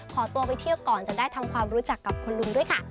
ขอตัวไปเที่ยวก่อนจะได้ทำความรู้จักกับคุณลุงด้วยค่ะ